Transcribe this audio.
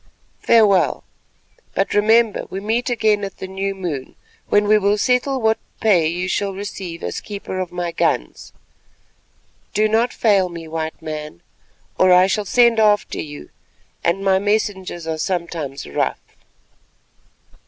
Farewell, but remember we meet again at the new moon, when we will settle what pay you shall receive as keeper of my guns. Do not fail me, White Man, or I shall send after you, and my messengers are sometimes rough."